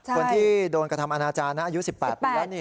คนที่โดนกระทำอนาจารย์นะอายุ๑๘ปีแล้ว